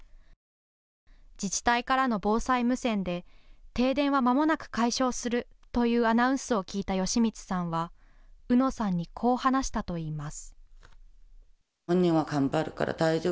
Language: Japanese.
自治体からの防災無線で停電はまもなく解消するというアナウンスを聞いた芳満さんは、うのさんにこう話したといいます。